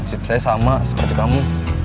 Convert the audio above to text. maksud saya sama seperti kamu